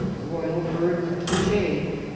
— Royal Bird of Quiche.